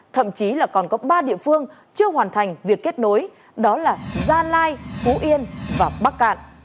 thậm chí là còn có ba địa phương chưa hoàn thành việc kết nối đó là gia lai phú yên và bắc cạn